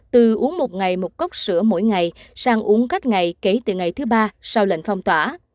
từ uống một ngày một cốc sữa mỗi ngày sang uống các ngày kể từ ngày thứ ba sau lệnh phong tỏa